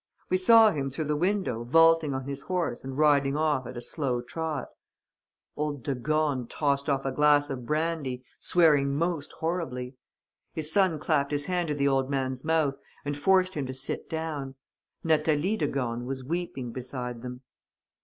We saw him through the window vaulting on his horse and riding off at a slow trot. "Old de Gorne tossed off a glass of brandy, swearing most horribly. "His son clapped his hand to the old man's mouth and forced him to sit down. Natalie de Gorne was weeping beside them....